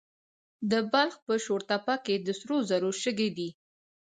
د بلخ په شورتپه کې د سرو زرو شګې دي.